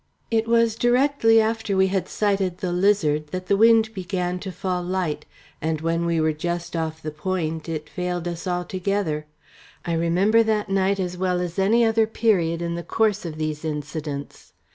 It was directly after we had sighted the Lizard that the wind began to fall light, and when we were just off the Point it failed us altogether. I remember that night as well as any other period in the course of these incidents.